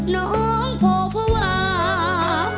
น้องพ่อเพราะว่า